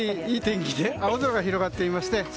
いい天気で青空が広がっていまして。